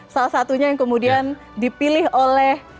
salah satunya yang kemudian dipilih oleh